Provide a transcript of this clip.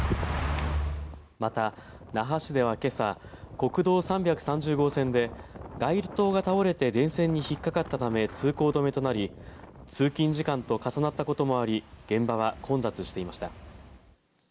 また、那覇市ではけさ国道３３０号線で街灯が倒れて電線に引っかかったため通行止めとなり通勤時間と重なったこともあり現場は混雑していました。